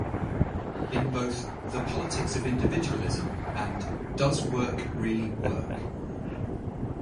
In both "The Politics of Individualism" and "Does Work Really Work?